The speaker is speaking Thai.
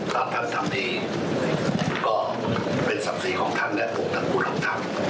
ตามท่านทำดีก็เป็นศักดิ์ศรีของท่านและปกติคุณท่าน